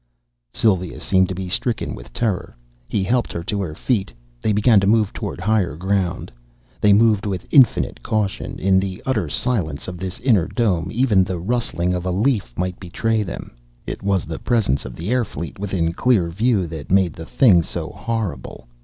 Sylva seemed to be stricken with terror. He helped her to her feet. They began to move toward higher ground. They moved with infinite caution. In the utter silence of this inner dome, even the rustling of a leaf might betray them. It was the presence of the air fleet within clear view that made the thing so horrible.